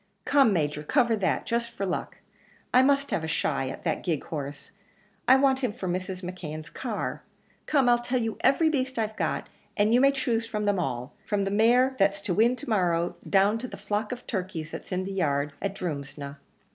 "Come, Major, cover that, just for luck; I must have a shy at that gig horse; I want him for Mrs. McKeon's car. Come, I'll tell you every beast I've got, and you may choose from them all, from the mare that's to win to morrow, down to the flock of turkeys that's in the yard at Drumsna."